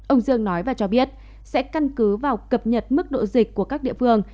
ông dương nói và cho biết sẽ căn cứ vào cập nhật mức độ dịch của các địa phương